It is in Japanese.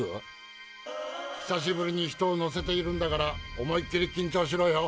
久しぶりに人を乗せているんだから思いっ切り緊張しろよ。